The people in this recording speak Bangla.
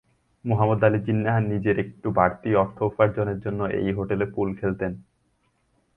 মুহাম্মদ আলী জিন্নাহ নিজের একটু বাড়তি অর্থ উপার্জনের জন্য এই হোটেলে পুল খেলতেন।